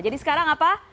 jadi sekarang apa